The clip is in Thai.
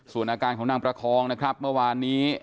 ส่วนอาการของนางประคองนะครับเมื่อวานนี้